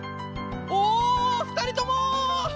おふたりとも！